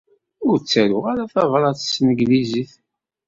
Ur ttaruɣ ara tabrat s tneglizit.